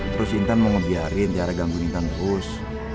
terus intan mau ngebiarin tiada gangguin intan terus